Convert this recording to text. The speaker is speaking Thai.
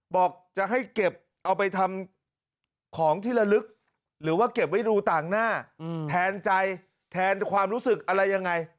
บอกจะให้เก็บเอาไปทำของที่ละลึกหรือว่าเก็บไว้ดูต่างหน้าแทนใจแทนความรู้สึกอะไรยังไง